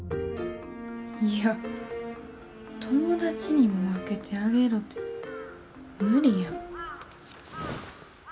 いや、友達にも分けてあげろって、無理やん。